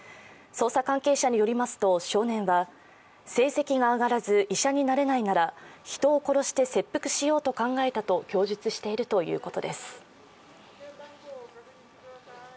捜査関係者によりますと、少年は成績が上がらず、医者になれないなら人を殺して切腹しようと考えたと供述しているということです。